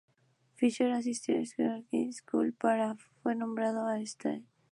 Fisher asistió a Stoney Creek High School, donde fue nombrado All-State.